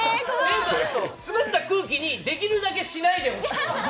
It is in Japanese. スベった空気にできるだけしないでほしい。